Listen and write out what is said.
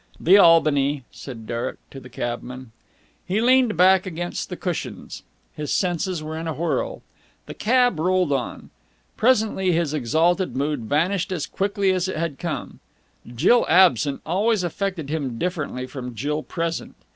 "The Albany," said Derek to the cabman. He leaned back against the cushions. His senses were in a whirl. The cab rolled on. Presently his exalted mood vanished as quickly as it had come. Jill absent always affected him differently from Jill present.